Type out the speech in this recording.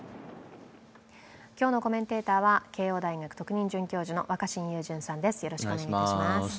今日のコメンテーターは慶応大学特任准教授の若新雄純さんです。